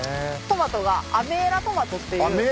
トマトがアメーラトマトっていう。